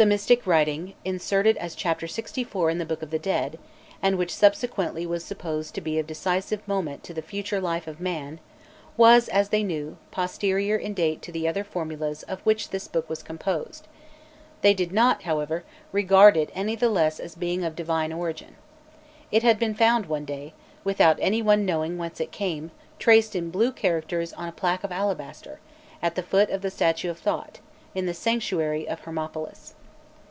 The mystic writing, inserted as chapter sixty four in the Book of the Dead, and which subsequently was supposed to be of decisive moment to the future life of man, was, as they knew, posterior in date to the other formulas of which this book was composed; they did not, however, regard it any the less as being of divine origin. It had been found one day, without any one knowing whence it came, traced in blue characters on a plaque of alabaster, at the foot of the statue of Thot, in the sanctuary of Hermopolis.